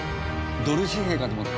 ドル紙幣かと思った。